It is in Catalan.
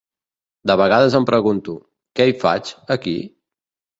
De vegades em pregunto; que hi faig, aquí?